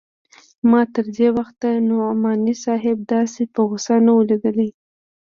ما تر دې وخته نعماني صاحب داسې په غوسه نه و ليدلى.